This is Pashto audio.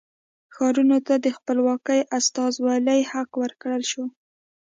ښارونو ته د خپلواکې استازولۍ حق ورکړل شو.